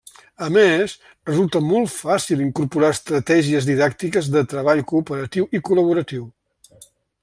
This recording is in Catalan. A més, resulta molt fàcil incorporar estratègies didàctiques de treball cooperatiu i col·laboratiu.